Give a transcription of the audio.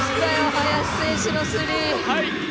林選手のスリー。